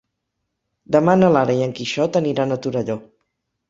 Demà na Lara i en Quixot aniran a Torelló.